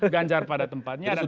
ganjar pada tempatnya